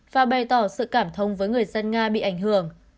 và bày tỏ sự cảm thông với người dân nga bị ảnh hưởng